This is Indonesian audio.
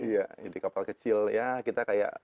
iya ini kapal kecil ya kita kayak